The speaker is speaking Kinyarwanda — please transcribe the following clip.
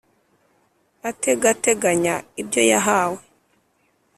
Ategateganya ibyo yahawe;